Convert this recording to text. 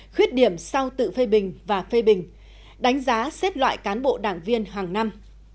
khuyết điểm sau tự phê bình và phê bình đánh giá xếp loại cán bộ đảng viên hàng năm